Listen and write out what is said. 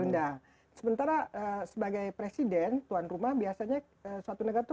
iya dan otomatis pasti diundang sementara sebagai presiden tuan rumah biasanya satu negara itu